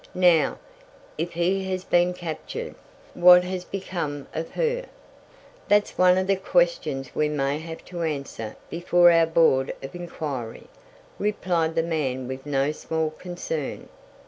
Now, if he has been captured, what has become of her?" "That's one of the questions we may have to answer before our Board of Inquiry," replied the man with no small concern.